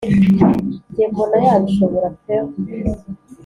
njye mbona yabishobora peuh